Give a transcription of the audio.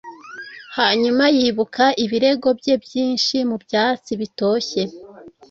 Hanyuma yibuka ibirego bye byinshi mubyatsi bitoshye